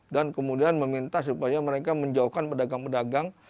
dan kemudian meminta supaya mereka menjauhkan pedagang pedagang